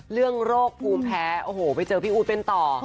โรคภูมิแพ้โอ้โหไปเจอพี่อู๊ดเป็นต่อ